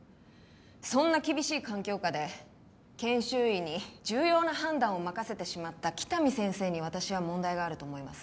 そんな厳しい環境下で研修医に重要な判断を任せてしまった喜多見先生に私は問題があると思います